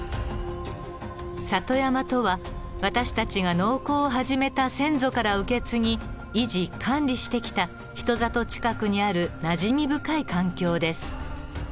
里山とは私たちが農耕を始めた先祖から受け継ぎ維持管理してきた人里近くにあるなじみ深い環境です。